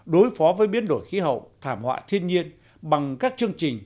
đối phó với biến đổi khí hậu thảm họa thiên nhiên bằng các chương trình